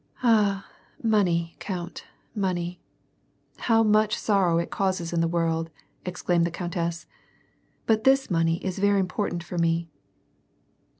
" Ah ! money, count, money ; how much sorrow it causes in the world !" exclaimed the countess. " But this money is very important for me."